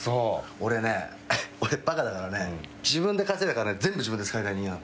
俺ねバカだからね自分で稼いだ金全部自分で使いたい人間なの。